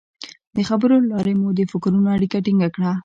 د خبرو له لارې مو د فکرونو اړیکه ټینګه کړه.